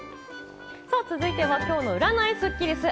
続いては今日の占いスッキりす。